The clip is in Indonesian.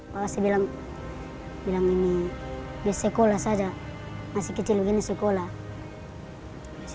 pak yosep bilang ini sekolah saja masih kecil begini sekolah